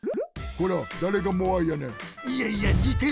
こらだれがモアイやねん！